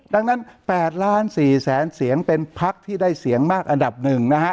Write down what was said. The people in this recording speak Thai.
ดังนั้น๘ล้าน๔แสนเสียงเป็นพักที่ได้เสียงมากอันดับหนึ่งนะฮะ